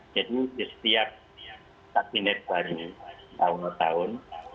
jadi setiap kabinet baru tahun tahun